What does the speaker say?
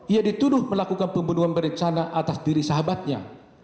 ia dituduh melakukan pembunuhan berencana atas diri sahabatnya